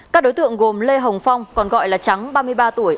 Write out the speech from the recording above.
các đối tượng gồm lê hồng phong còn gọi là trắng ba mươi ba tuổi